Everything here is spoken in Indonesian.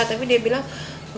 tapi dia bilang